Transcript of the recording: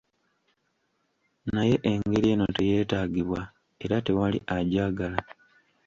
Naye engeri eno teyeetaagibwa, era tewali agyagala.